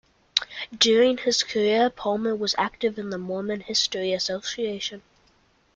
During his career Palmer was active in the Mormon History Association.